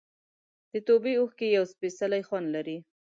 د توبې اوښکې یو سپېڅلی خوند لري.